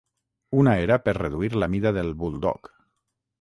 Una era per reduir la mida del buldog.